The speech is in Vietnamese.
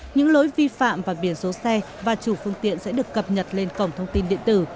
những lỗi vi phạm và biển số xe và chủ phương tiện sẽ được cập nhật lên cổng thông tin điện tử